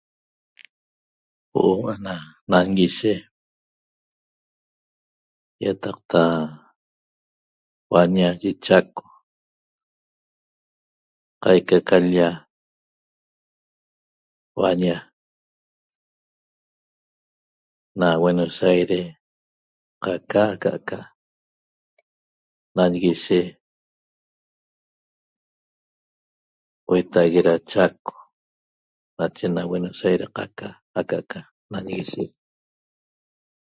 Huo'o ana nanguishe ýataqta huaña yi Chaco qaica ca l-lla huaña na Buenos Aires qaca aca'aca nanguishe hueta'ague da Chaco nache na Buenos Aires qaca aca'aca nanguishe